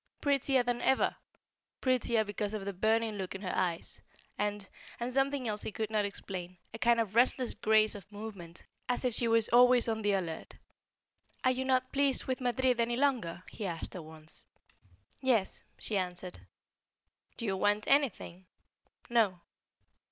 Prettier than ever; prettier because of the burning look in her eyes, and and something else he could not explain; a kind of restless grace of movement, as if she was always on the alert. "Are you not pleased with Madrid any longer?" he asked her once. "Yes," she answered. "Do you want anything?" "No."